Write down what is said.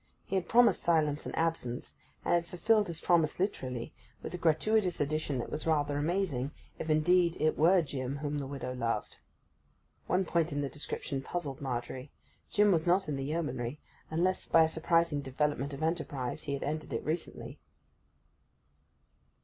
He had promised silence and absence, and had fulfilled his promise literally, with a gratuitous addition that was rather amazing, if indeed it were Jim whom the widow loved. One point in the description puzzled Margery: Jim was not in the Yeomanry, unless, by a surprising development of enterprise, he had entered it recently.